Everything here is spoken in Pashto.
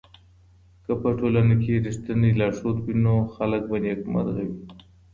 که په ټولنه کي رښتينی لارښود وي نو خلګ به نېکمرغه وي.